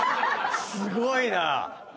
すごいな！